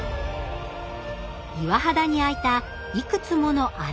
岩肌に開いたいくつもの穴。